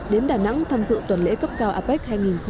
đến đà nẵng tham dự tuần lễ cấp cao apec hai nghìn một mươi bảy